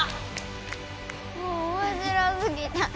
もうおもしろすぎた。